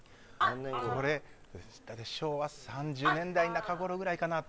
これ昭和３０年代中頃ぐらいかな。